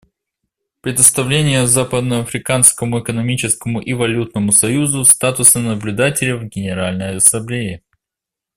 Предоставление Западноафриканскому экономическому и валютному союзу статуса наблюдателя в Генеральной Ассамблее.